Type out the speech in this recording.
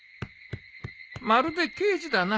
まるで刑事だな。